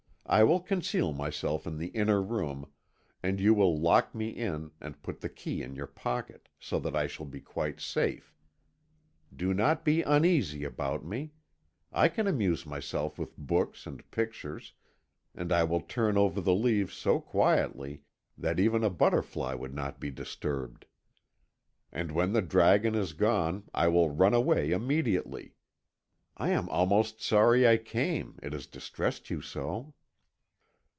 I will conceal myself in the inner room, and you will lock me in, and put the key in your pocket, so that I shall be quite safe. Do not be uneasy about me; I can amuse myself with books and pictures, and I will turn over the leaves so quietly that even a butterfly would not be disturbed. And when the dragon is gone I will run away immediately. I am almost sorry I came, it has distressed you so."